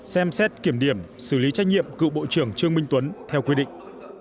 xem xét kiểm điểm xử lý trách nhiệm cựu bộ trưởng trương minh tuấn theo quy định